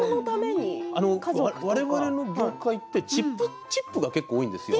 われわれの業界ってチップが結構多いんですよ